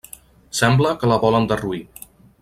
Sembla que la volen derruir.